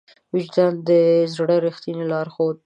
وجدان د زړه ریښتینی لارښود دی.